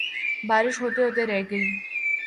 بارش ہوتے ہوتے رہ گئی